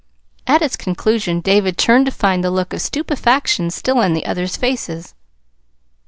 At its conclusion David turned to find the look of stupefaction still on the others' faces.